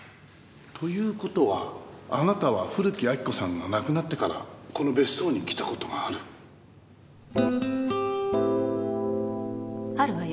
という事はあなたは古木亜木子さんが亡くなってからこの別荘に来た事がある。